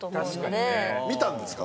見たんですか？